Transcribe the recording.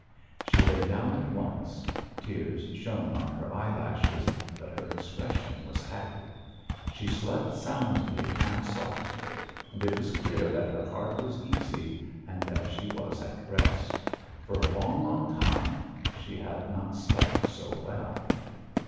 She lay down at once. Tears shone on her eyelashes, but her expression was happy. She slept soundly and softly, and it was clear that her heart was easy and that she was at rest. For a long, long time she had not slept so well.